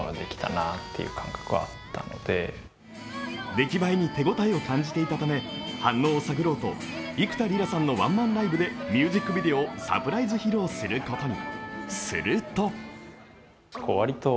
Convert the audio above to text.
出来栄えに手応えを感じていたため反応を探ろうと幾田りらさんのワンマンライブでミュージックビデオをサプライズ披露することに。